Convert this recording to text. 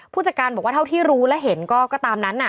ผู้จัดการบอกว่าเท่าที่รู้และเห็นก็ตามนั้น